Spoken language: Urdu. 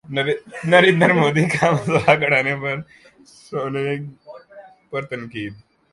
نریندر مودی کا مذاق اڑانے پر سونو نگم پر تنقید